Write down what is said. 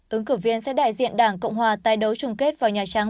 ứng cử viên sẽ đại diện đảng cộng hòa tai đấu chung kết vào nhà trắng